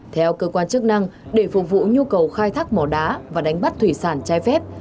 theo cơ quan chức năng để phục vụ nhu cầu khai thác mỏ đá và đánh bắt thủy sản trái phép